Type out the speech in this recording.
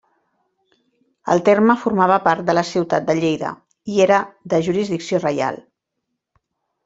El terme formava part de la ciutat de Lleida i era de jurisdicció reial.